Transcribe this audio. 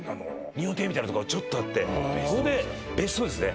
日本庭園みたいなとこがちょっとあって別荘ですね